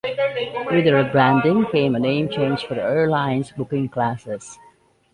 With the rebranding came a name change for the airline's booking classes.